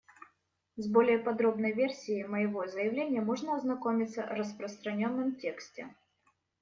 С более подробной версией моего заявления можно ознакомиться в распространенном тексте.